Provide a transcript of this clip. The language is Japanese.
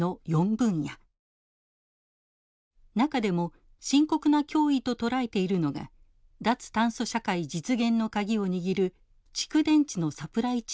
中でも深刻な脅威と捉えているのが脱炭素社会実現のカギを握る蓄電池のサプライチェーンです。